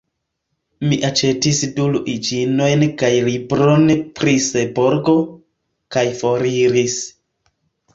Mi aĉetis du luiĝinojn kaj libron pri Seborgo, kaj foriris.